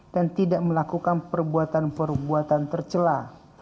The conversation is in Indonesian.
dan tidak melakukan perbuatan perbuatan tercelah